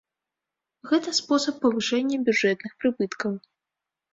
Гэта спосаб павышэння бюджэтных прыбыткаў.